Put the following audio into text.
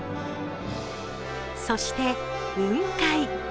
そして、雲海。